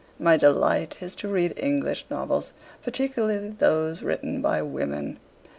My delight is to read English novels, particularly those written by women.